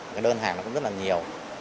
cái đơn hàng nó cũng rất là nhiều